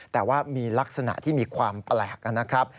แต่ว่ามีลักษณะที่มีความแปลกนะครับ